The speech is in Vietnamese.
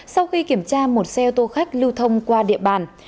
sau khi kiểm tra một xe ô tô khách lưu thông qua địa bàn